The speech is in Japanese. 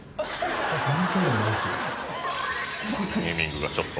ネーミングがちょっと。